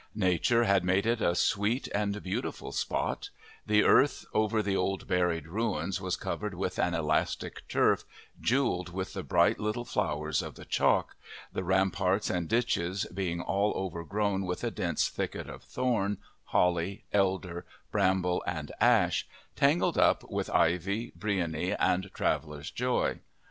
Nature had made it a sweet and beautiful spot; the earth over the old buried ruins was covered with an elastic turf, jewelled with the bright little flowers of the chalk, the ramparts and ditches being all overgrown with a dense thicket of thorn, holly, elder, bramble, and ash, tangled up with ivy, briony, and traveller's joy.